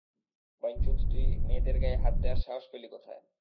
বাইঞ্চুদ, তুই মেয়েদের গায়ে হাত দেয়ার সাহস পেলি কোথায়!